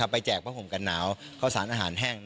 ไปแจกพระผมกันหนาวเข้าสารอาหารแห้ง